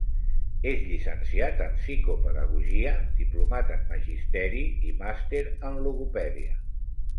És llicenciat en psicopedagogia, diplomat en magisteri i màster en logopèdia.